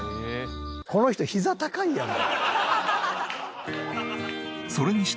この人ひざ高いやろ。